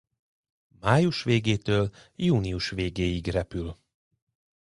Május végétől június végéig repül.